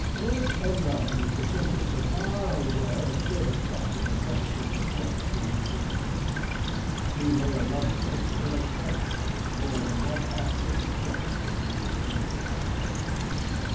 It alone is sufficient to mar a world of good effect in the furniture subjected to its influence. Female loveliness, in especial, is more than one half disenchanted beneath its evil eye.